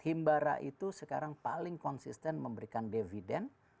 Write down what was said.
himbara itu sekarang paling konsisten memberikan dividen